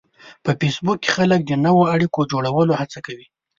په فېسبوک کې خلک د نوو اړیکو جوړولو هڅه کوي